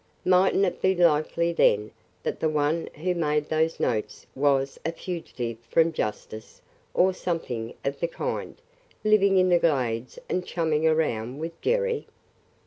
Might n't it be likely then that the one who made those notes was a fugitive from justice or something of the kind, living in the Glades and chumming around with Jerry?